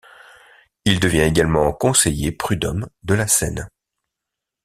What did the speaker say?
Il devient également conseiller prud'homme de la Seine.